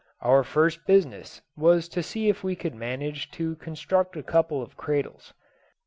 Our first business was to see if we could manage to construct a couple of cradles.